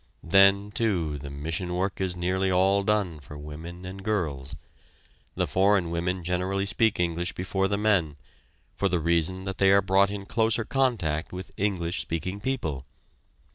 Then, too, the mission work is nearly all done for women and girls. The foreign women generally speak English before the men, for the reason that they are brought in closer contact with English speaking people.